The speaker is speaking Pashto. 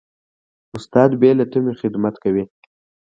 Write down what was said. استاد بې له تمې خدمت کوي.